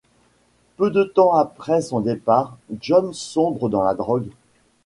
Peu de temps après son départ, John sombre dans la drogue.